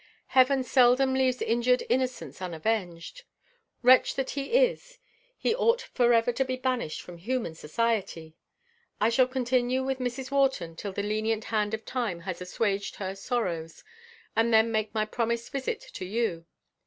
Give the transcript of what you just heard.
Heaven seldom leaves injured innocence unavenged. Wretch that he is, he ought forever to be banished from human society! I shall continue with Mrs. Wharton till the lenient hand of time has assuaged her sorrows, and then make my promised visit to you.